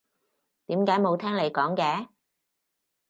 點解冇聽你講嘅？